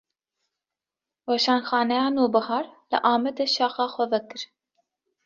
Weşanxaneya Nûbihar, li Amedê şaxa xwe vekir